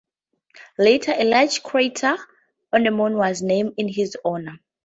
Later, a large crater on the Moon was named in his honor.